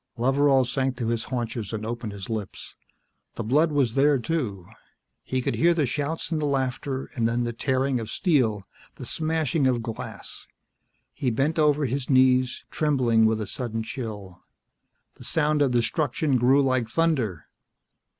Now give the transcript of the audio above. Loveral sank to his haunches and opened his lips. The blood was there, too. He could hear the shouts and the laughter, and then the tearing of steel, the smashing of glass. He bent over his knees, trembling with a sudden chill. The sound of destruction grew like thunder.